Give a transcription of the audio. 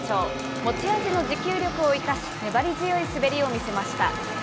持ち味の持久力を生かし、粘り強い滑りを見せました。